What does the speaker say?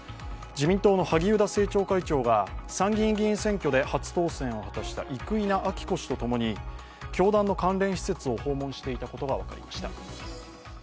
自民党の萩生田政調会長が参議院議員選挙で初当選した生稲晃子氏と共に教団の関連施設を訪問していたことが分かりました。